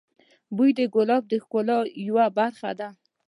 بوی د ګلاب د ښکلا یوه برخه ده.